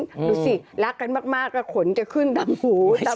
ดูสิรักกันมากแล้วขนจะขึ้นดำหูตามหัวใส